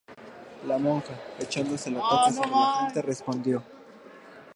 la monja, echándose la toca sobre la frente, respondió: